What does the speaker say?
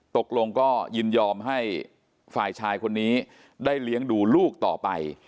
ตกลงก็ยินยอมให้ฝ่ายชายคนนี้ได้เลี้ยงดูลูกต่อไป